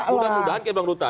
mudah mudahan kayak bang duta